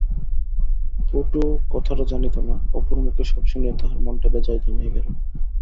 পটুও কথাটা জানিত না, অপুর মুখে সব শুনিয়া তাহার মনটা বেজায় দমিয়া গেল।